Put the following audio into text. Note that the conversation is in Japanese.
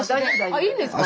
あいいんですか